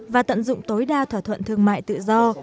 và tận dụng tối đa thỏa thuận thương mại tự do